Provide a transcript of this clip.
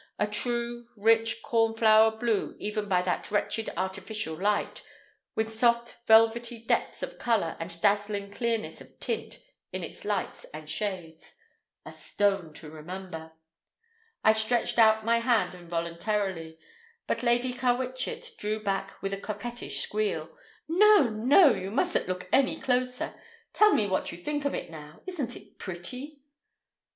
A true, rich, cornflower blue even by that wretched artificial light, with soft velvety depths of color and dazzling clearness of tint in its lights and shades—a stone to remember! I stretched out my hand involuntarily, but Lady Carwitchet drew back with a coquettish squeal. "No! no! You mustn't look any closer. Tell me what you think of it now. Isn't it pretty?"